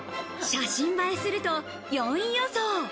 写真映えすると４位予想。